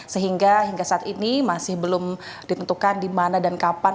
sehingga hingga saat ini masih belum ditentukan di mana dan kapan